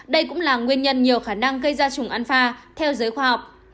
đây cũng là nguyên nhân nhiều khả năng gây ra trùng an pha theo giới khoa học